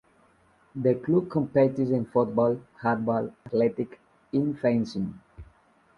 The club competes in football, handball, athletics, and fencing.